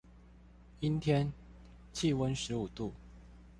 陰天，氣溫十五度